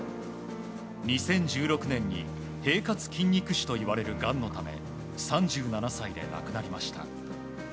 ２０１６年に平滑筋肉腫といわれるがんのため３７歳で亡くなりました。